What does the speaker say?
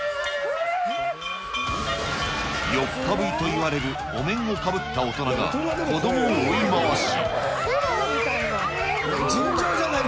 ヨッカブイといわれるお面をかぶった大人が子どもを追い回し。